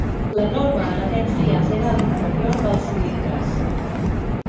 La norma en aquells dies era l'interior dels cilindres.